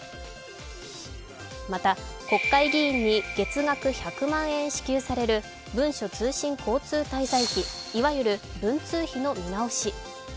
また国会議員に月額１００万円支給される文書通信交通滞在費、いわゆる文通費の見直し。